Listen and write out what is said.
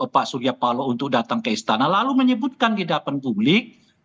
pak surya paloh untuk datang ke istana lalu menyebutkan di depan publik